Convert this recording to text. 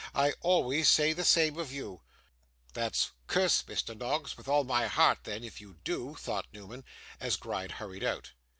I always say the same of you.' 'That's "Curse Mr. Noggs with all my heart!" then, if you do,' thought Newman, as Gride hurried out.